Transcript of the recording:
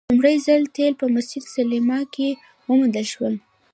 لومړی ځل تیل په مسجد سلیمان کې وموندل شول.